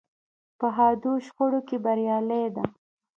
په حادو شخړو کې بریالۍ ده.